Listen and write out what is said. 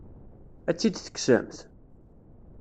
Ad tt-id-tekksemt?